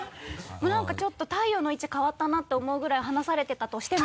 なんかちょっと太陽の位置変わったなと思うぐらい話されてたとしても。